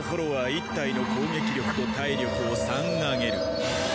１体の攻撃力と体力を３上げる。